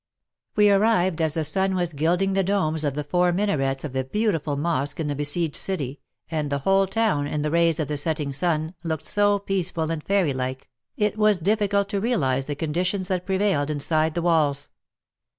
We arrived as the sun was gilding the domes of the four minarets of the beautiful mosque in the besieged city, and the whole town, in the rays of the setting sun, looked so peaceful and fairylike, it was difficult to realize the conditions that prevailed inside the walls.